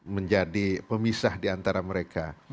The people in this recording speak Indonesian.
menjadi pemisah diantara mereka